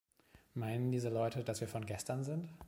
Meinen diese Leute, dass wir von gestern sind?